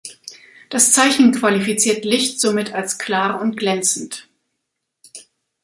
Das Zeichen qualifiziert Licht somit als klar und glänzend.